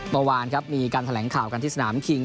เมื่อวานครับมีการแถลงข่าวกันที่สนามคิง